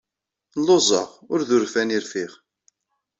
Lluẓeɣ. Ur d urfan ay rfiɣ.